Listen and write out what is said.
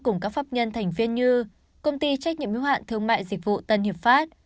cùng các pháp nhân thành viên như công ty trách nhiệm hiếu hạn thương mại dịch vụ tân hiệp pháp